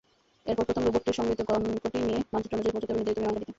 এরপর প্রথম রোবটটির সংগৃহীত ঘনকটি নিয়ে মানচিত্র অনুযায়ী পৌঁছাতে হবে নির্ধারিত বিমানঘাঁটিতে।